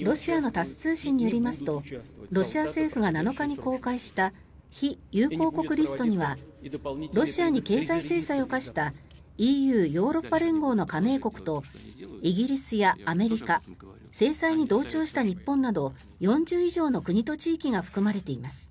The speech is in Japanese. ロシアのタス通信によりますとロシア政府が７日に公開した非友好国リストにはロシアに経済制裁を科したＥＵ・ヨーロッパ連合の加盟国とイギリスやアメリカ制裁に同調した日本など４０以上の国と地域が含まれています。